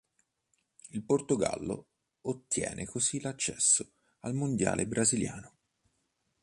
Il Portogallo ottiene così l'accesso al mondiale brasiliano.